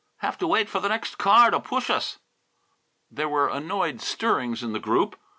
Have to wait for the next car to push us." There were annoyed stirrings in the group.